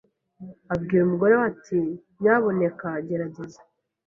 abwira umugore we ati Nyabuneka gerageza